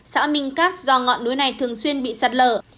xã minh cát do ngọn núi này thường xuyên bị sạt lở